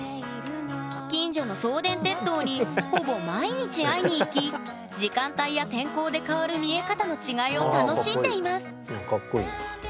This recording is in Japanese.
近所の送電鉄塔にほぼ毎日会いに行き時間帯や天候で変わる見え方の違いを楽しんでいますかっこいい。